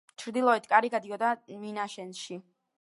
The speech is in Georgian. ჩრდილოეთ კარი გადიოდა მინაშენში.